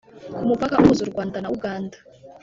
ku mupaka uhuza u Rwanda na Uganda